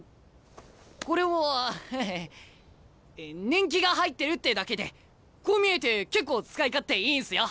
年季が入ってるってだけでこう見えて結構使い勝手いいんすよ！